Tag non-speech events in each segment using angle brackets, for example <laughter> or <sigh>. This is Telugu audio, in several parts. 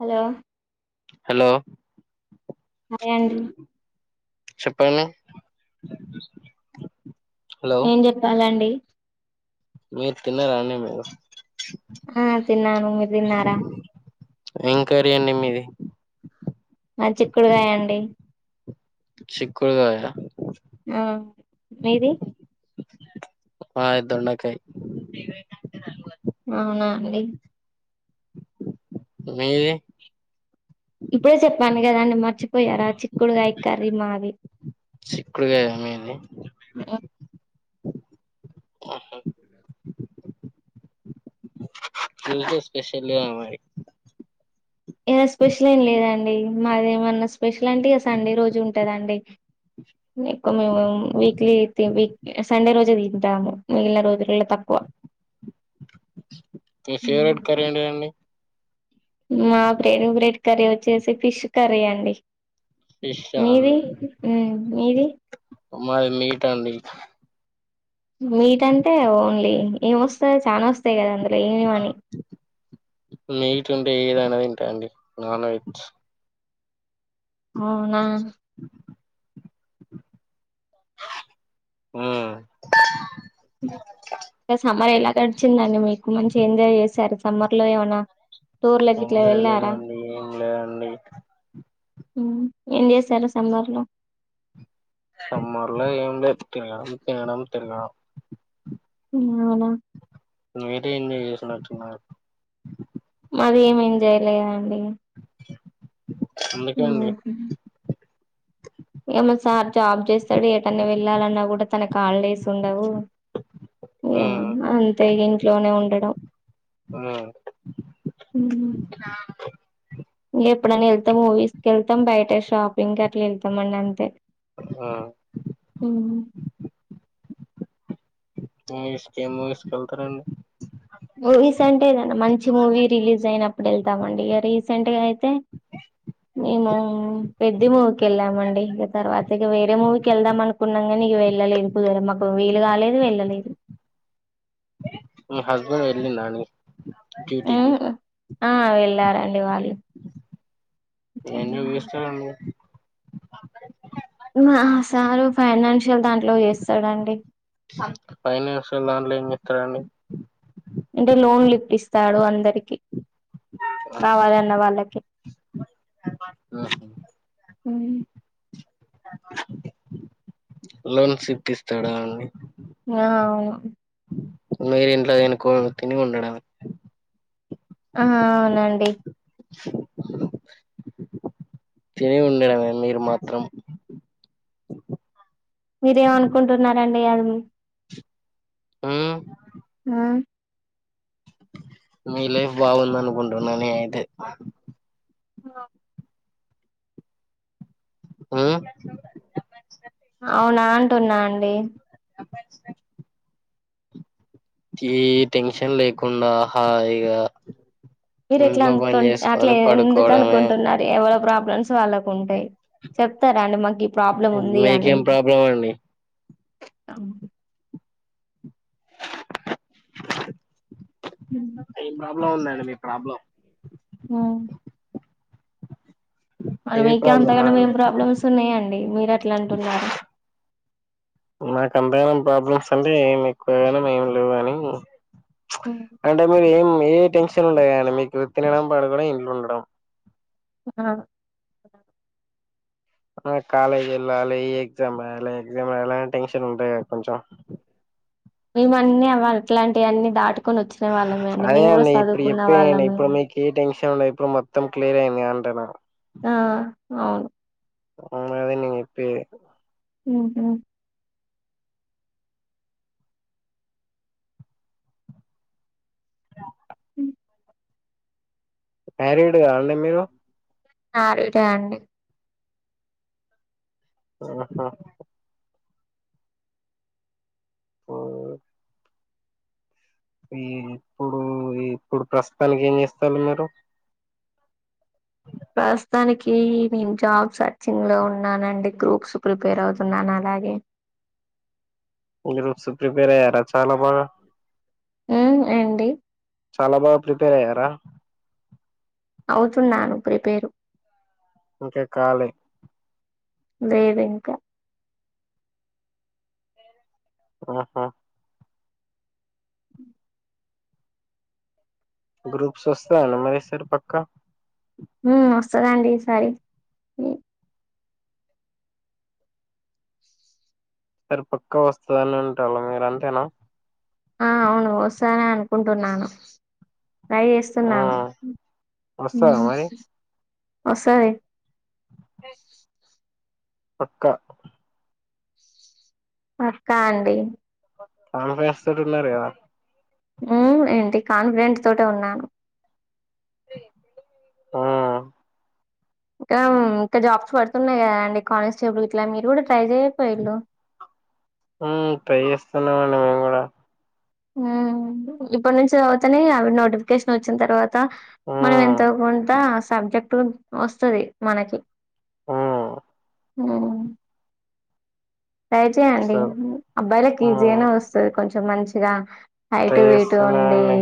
హలో హలో హాయ్ అండి చెప్పండి హలో ఏం చెప్పాలండి మీరు తిన్నరా అండి మీరు ఆ తిన్నాను మీరు తిన్నారా ఏం కర్రీ అండి మీది మాది చిక్కుడుకాయండి చిక్కుడుకాయా ఆ మీది మాది దొండకాయ్ అవునా అండి మీది ఇప్పుడే చెప్పాను కదండి మర్చి పొయారా చిక్కుడుకాయ కర్రీ మాది ఆ బ మీ ఇంట్లో స్పెషల్ లేదా మరి ఏదైన స్పెషలేం లేదా అండి మాదేముంది స్పెషల్ అంటే ఇగ సండే రోజు ఉంటదండి ఎక్కువ మేము వీక్లీ ఐతే వీక్ సండే రోజే తింటాను మిగిల్న రోజులల్ల తక్కువ మీ ఫేవరెట్ కర్రీ ఎంటిదండి మా ఫేవరెట్ కర్రీ వచ్చేసి ఫిష్ కర్రీ అండి ఫిషా మీది అండి ఉం మీది మాది మీట్ అండి మీట్ అంటే ఓన్లీ ఏం ఒస్తది చాలా ఒస్తయి కదా అందులో ఏం ఏం అని మీట్ ఉంటే ఏదైనా తింట అండి నాన్ వెజ్ అవునా ఉం సమ్మర్ ఎలా గడిచిందండి మీకు మంచిగ ఎంజాయ్ చేసారా సమ్మర్లో ఏమన్న బొంగేం లేదండి ఏం లేదండి ఏం చేసారు సమ్మర్లో సమ్మర్లో ఏం లే తిరగడం తినడం తిరగడం <unintelligible> నైటె ఎంజాయ్ చేసినట్టున్నారు మరి ఏం ఎంజాయ్ లేదండి అందుకే ఉంహుం అండి ఇగ మా సార్ జాబ్ చేస్తడు ఎటన్న వెళ్ళాలన్న కూడ తనకు హాలిడేస్ ఉండవు ఉమ్ అంతే ఇగ ఇంట్లోనే ఉండడు ఆ ఉ ఇంక ఎప్పుడైనా వెళ్తా మూవీస్ క వెళ్తాం బయట షాపింగ్ కి అట్లా వెళ్తామండి అంతే ఆ ఉ ఇసుక ఏం ఇసుకెళ్తారంండి మూవీస్ అంటేదండి మంచి మూవీ రిలీజ్ అయినప్పుడు వెళ్తామండి ఇక రీసెంట్ గా అయితే మేము పెద్ద మూవీకి వెళ్ళామండి ఇక తర్వాత ఇక వేరే మూవీకి వెళ్దాం అనుకు కున్నాం గాని నీకు వెళ్ళలేదు కుదర మాకు వీలు కాలేదు వెళ్ళలేదు మీ హస్బెండ్ వెళ్ళడా అండి డ్యుటికి ఉమ్, ఆ వెళ్ళారండి వాళ్ళు ఏం జాబ్ చేస్తారండి మా సారు ఫైనాన్షియల్ దాంట్లో చేస్తాడండి ఫైనాన్షియల్ దాంట్లో ఏం ఇస్తారండి అంటే లోన్లు ఇప్పిస్తాడు అందరికి కావాలన్న వాళ్ళకి ఉ లోన్స్ ఇప్పిస్తాడా అండి ఆ అవును మీరు ఇంట్లో తినుకు తిని ఉండడమే ఆ అవునండి తిని ఉండడంమే మీరు మాత్రం మీరేమనుకుంటున్నారండి అది ఉ ఆ మీ లైఫ్ బాగుందని అనుకుంటున్నా ను ఏట్ ఆ ఉ అవునా అంటున్నా అండి టి ఏ టెన్షన్ లేకుండా హాయిగా మీరు ఎట్లా ఇంట్లో అనుకు పని అట్లా చేసుకొని ఎందుకు పడుకోవడమే అనుకుంటున్నారు ఎవల ప్రాబ్లమ్స్ వాళ్ళకు ఉంటాయి చెప్తారా అండి మాకు ప్రాబ్లం ఉంది మీకేం ప్రాబ్లం అండి అ ఉ ఏం ప్రాబ్లం ఉందండి మీ ప్రాబ్లం ఉ మరి ఏమి మీకే ప్రాబ్లమా అంతగానం అండి మేం ప్రాబ్లమ్స్ ఉన్నాయండి మీరు ఎట్లా అంటున్నారు నాకు అంతగానం ప్రాబ్లమ్స్ అంటే ఏమి ఎక్కువగానం ఏం లేవు అని అంటే మీరు ఏం ఏ టెన్షన్ ఉండగానీ మీకు తినడం పడుకోడం ఇట్లు ఉండడం ఆ కాలేజ్ వెళ్ళాలి ఎగ్జామ్ రాయాలి ఎగ్జామ్ రాయాల టెన్షన్ ఉంటాయి కదా కొంచెం మేమ అన్నీ అ అట్లాంటివన్నీ దాటుకొని వచ్చిన వాళ్ళమే అండి అదే మేము కూడా ఇప్పుడు చదువుకున్న చెప్పేయండి వాళ్ళమే ఇప్పుడు మీకు ఏ టెన్షన్ ఉండదు ఇప్పుడు మొత్తం క్లియర్ అయింది అంటున ఆ అవును అ అదే నేను చెప్పేది ఉహు <unintelligible> హు మ్యారీడ్ కాలే మీకు మ్యారీడే అండి ఆహా <unintelligible> ఈ ఇప్పుడు ఇప్పుడు ప్రస్తుతానికి ఏం చేస్తారు మీరు ప్రస్తుతానికి నేను జాబ్ సర్చింగ్ లో ఉన్నానండి గ్రూప్స్ ప్రిపేర్ అవుతున్నాను అలాగే గ్రూప్స్కి ప్రిపేర్ అయ్యారా చాలా బాగా హు ఏంటి చాలా బాగా ప్రిపేర్ అయ్యారా అవుతున్నాను ప్రిపేరు ఇంకా కాలే లేదుఇంకా ఆహా గ్రూప్స్ వస్తాయా మరి ఈ సారి పక్క హు వస్తదండి ఈసారి ఉ సరి పక్కా వస్తుందని ఉంటారు మీరు అంతేనా ఆ అవును వస్తదనే అనుకుంటున్నాను ట్రై చే ఆ ఉన్నాను వస్తదా ఉ మరి వస్తది <unintelligible> పక్క పక్కా అండి కాన్ఫిడెన్స్ తోటి ఉన్నారు కదా ఉ ఏంటి కాన్ఫిడెంట్ తోటే ఉన్నాను ఆ ఉ ఇంకా జాబ్స్ పడుతున్నాయి కదా అండి కాని స్టేబుల్ ఇట్లా మీరు కూడా ట్రై చేయకపోయిన్రు హు టై చేస్తున్నామండి మేము కూడా ఇప్పటి నుంచి చదివితేనే అవి నోటిఫికేషన్ వచ్చిన తర్వాత మనం మ్మ్ ఎంతో కొంత సబ్జెక్ట్ వస్తుది మనకి హు ఆ ట్రై చేయండి సో అబ్బాయిలకి మ్మ్ ఈజీగానే వస్తుంది కొంచెం మంచిగా హైట్ ట్రై వెయిట్ ఉండి చేస్తున్నానండి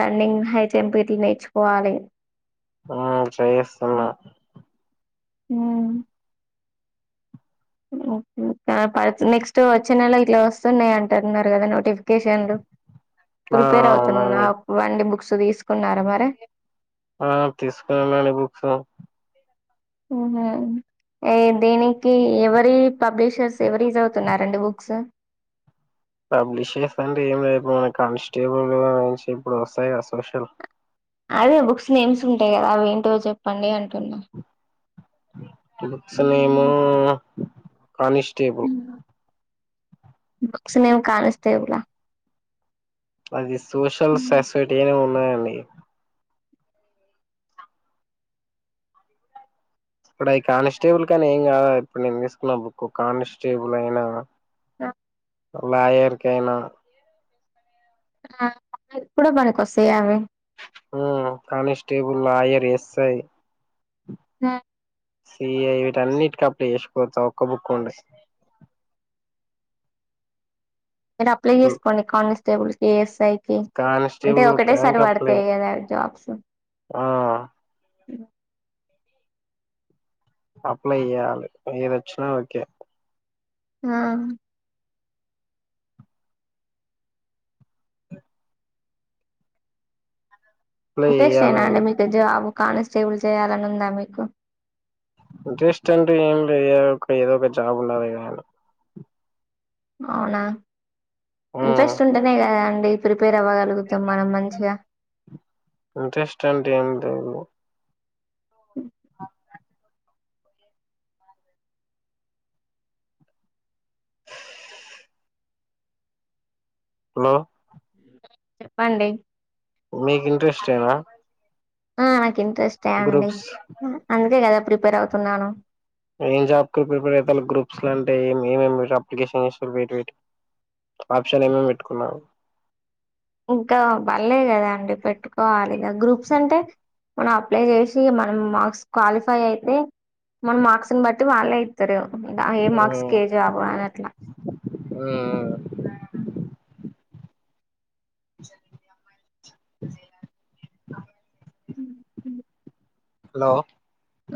రన్నింగ్ హై జంప్ ఇట్లా నేర్చుకోవాలి హు చేయిస్తున్నా ఉ ఓకే నెక్స్ట్ వచ్చే నెల ఇట్లా వస్తున్నాయి అంటున్నారు కదా నోటిఫికేషన్లు ఆ ప్రిపేర్ అవుతున్నా అవునండి వండి బుక్స్ తీసుకున్నారా మరి ఆ తీసుకున్నానండి బుక్స్ హు ఏ దీనికి ఎవరి పబ్లిషర్స్ ఎవరివి చదువుతున్నారండి బుక్స్ పబ్లిష్ చేస్తాండి ఏం లేడు మన కానిస్టేబుల్ ఇప్పుడు వస్తాయి కదా సోషల్ అదే బుక్స్ నేమ్స్ ఉంటాయి కదా అవి ఏంటో చెప్పండి అంటున్నా books name constable books name constable లా అది సోషల్ ససైటీ అని ఉన్నాయండి. ఇప్పుడు అవి కానిస్టేబుల్ కాని ఏం కాదు ఇప్పుడు నేను తీసుకున్న బుక్ కానిస్టేబుల్ అయినా ఆ లాయర్కైనా కానీ ఇప్పుడు పనికొస్తాయా అవి కానిస్టేబుల్ లయర్ ఎస్ఐ స సిఐ వీటి అన్నిటికి అప్లై చేసుకోవచ్చు. ఆ ఒక్క బుక్ ఉంటే మీరు అప్లై చేసుకోండి. కానిస్టేబుల్స్, కి ఎస్ఐ అంటే కానిస్టేబుల్ ఒకటే సారి బుక్కానికి అప్లై పడతాయి. కదా జాబ్స్ ఆ అప్లై చేయాలి. ఏదివచ్చిన ఓకే ఆ అప్లై ఉద్దేశమనా, అండి, చేయాలండి మీకు జాబ్ కానిస్టేబుల్ చేయాలని ఉందా, మీకు ఇంట్రెస్ట్ అంటే ఏం లే ఏదో ఒక జాబ్ ఉండాలనీ అవునా ఉమ్ ఇంట్రెస్ట్ ఉంటేనే కదా అండి. ప్రిపేర్ అవ్వగలుగుతాం మనం మంచిగా ఇంట్రెస్ట్ అంటే ఎం లేదు ఉ హలో, చెప్పండి. మీకు ఇంట్రెస్ట్ ఏనా ఆ, నాకు ఇంట్రెస్ట్ అండి. గ్రూప్స్ అందుకే కదా ప్రిపేర్ అవుతున్నాను. ఏం జాబ్ కి ప్రిపేర్ అవుతారు గ్రూప్స్ లో అంటే ఏమేమి అప్లికేషన్ చేస్తారు. బయటిటి <unintelligible> ఆప్షన్ ఏమేమి పెట్టుకున్నావు. ఇంకా పడలేదు కదా అండి పెట్టుకోవాలి. ఇక గ్రూప్స్ అంటే మనం అప్లై చేసి మనం మార్క్స్ క్వాలిఫై అయితే మన మార్క్స్ ను బట్టి వాళ్ళే ఇస్తారు. ఏ మార్క్స్ కి ఎం జాబ్ అని అట్లా ఆ అ <inaudible> ఉ హలో,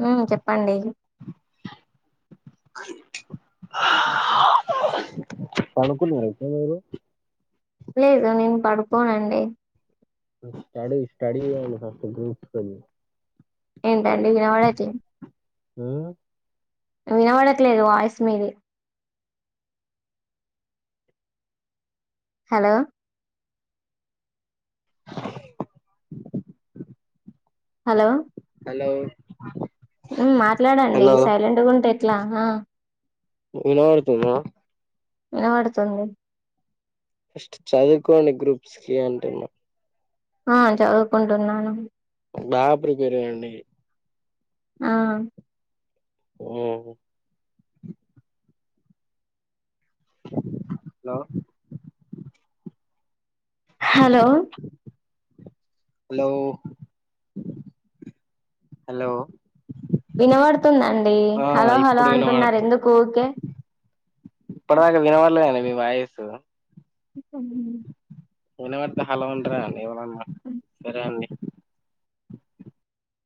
ఉ చెప్పండి. <inaudible> పడుకున్నారా మీరు ఇప్పుడు లేదు నేను పడుకోనండి. స్టడీ స్టడీ <unintelligible> ఏంటండి, వినపడత్లే హహ్మ్మ్ వినవడట్లేదు, వాయిస్ మీది హలో, హలో, హలో ఉమ్ మాట్లాడండి హలో సైలెంట్గా ఉంటే ఎట్లా హ వినబడుతుందా వినపడుతుంది ఫస్ట్ చదువుకోండి గ్రూప్స్ కి అంటున్నా ఆ చదువుకుంటున్నాను బాగా ప్రిపేర్ కాండీ ఆ ఆ హలో హలో హలో హలో వినబడుతుందండి ఆ హలో హలో ఇప్పుడు అంటున్నారు వినబడుతుంది ఎందుకు ఊకే ఇప్పటిదాకా వినబడలేదండి మీ వాయిసు ఇష్టమే వినబడితే హలో అంటారా అండి ఎవరన్న సరే అండి